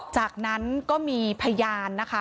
จากนั้นก็มีพยานนะคะ